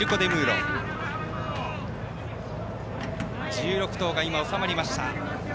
１６頭が今、収まりました。